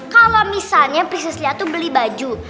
kalau misalnya priscilia tuh beli baju